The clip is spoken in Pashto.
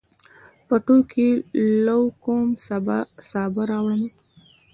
پټو کې لو کوم، سابه راوړمه